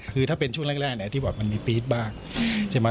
คือถ้าเป็นช่วงแรกเนี่ยที่บอกมันมีปี๊ดบ้างใช่ไหม